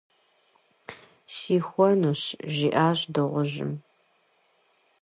- Сихуэнущ, - жиӏащ дыгъужьым.